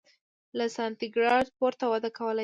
له سانتي ګراد پورته وده کولای شي.